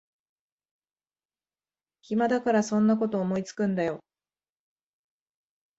暇だからそんなこと思いつくんだよ